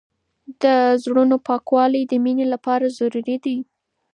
د زړونو پاکوالی د مینې لپاره ضروري دی.